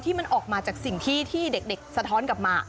ที่มันออกมาจากสิ่งที่เด็กสะท้อนกลับมา